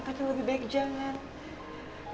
tapi lebih baik jangan